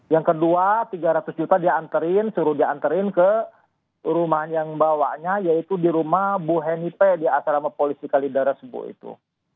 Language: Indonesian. yang kedua tiga ratus juta diantarin suruh diantarin ke rumah yang bawanya yaitu di rumah bu henipe di asrama polisi kalidara sebu itu